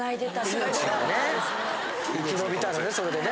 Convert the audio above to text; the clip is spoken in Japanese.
生き延びたのねそれでね。